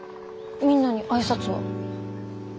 みんなに挨拶は？